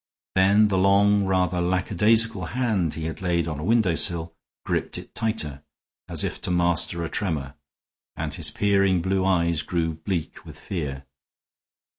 Then the long, rather lackadaisical hand he had laid on a window sill gripped it tighter, as if to master a tremor, and his peering blue eyes grew bleak with fear.